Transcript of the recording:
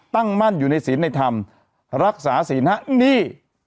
ตั้งมั่นอยู่ในศีลในธรรมรักษาศีลฮะนี่